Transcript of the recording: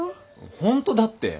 ホントだって。